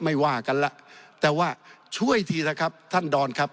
ไม่ว่ากันแล้วแต่ว่าช่วยทีละครับท่านดอนครับ